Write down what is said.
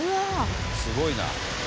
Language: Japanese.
すごいな。